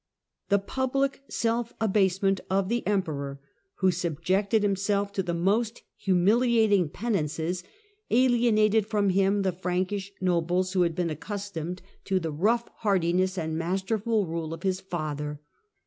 The public self abasement of the Emperor, who subjected himself to the most humiliating penances, alienated from him the Frankish nobles who had been accustomed to the rough heartiness and masterful rule of his father.